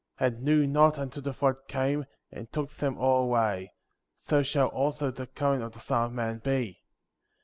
And knew not until the flood came, and took them all away; so shall also the coming of the Son of Man be.